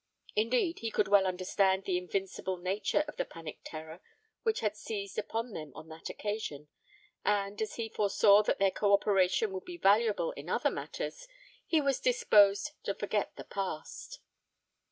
Indeed, he could well understand the invincible nature of the panic terror which had seized upon them on that occasion; and, as he foresaw that their co operation would be valuable in other matters, he was disposed to forget the past.